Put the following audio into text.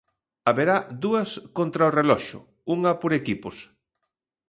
Haberá dúas contra o reloxo, unha por equipos.